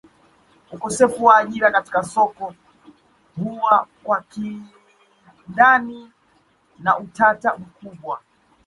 Ukosefu wa ajira katika soko huwa kwa kindani na utata mkubwa